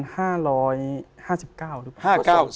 ๒๕๕๙หรือเปล่า